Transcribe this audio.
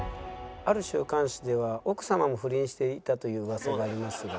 「ある週刊誌では奥様も不倫していたという噂がありますが」。